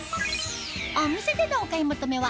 お店でのお買い求めは